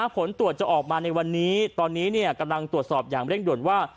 ผลตรวจจะออกมาในวันนี้ตอนนี้กำลังตรวจสอบอย่างเร่งด่วนว่า